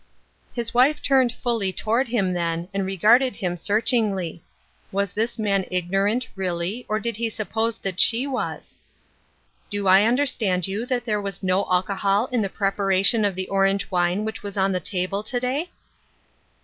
His wife turned fully toward him then, and re garded him searchingly. Was this man ignorant, really, or did he suppose that she was ? COMING TO AN UNDERSTANDING. 1 1 5 " Do I understand you that there was no alcohol in the preparation of the orange wine which was on the table to day